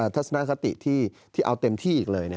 ทัศนคติที่เอาเต็มที่อีกเลย